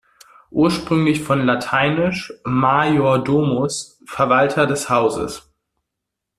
Ursprünglich von lateinisch "major domus", Verwalter des Hauses.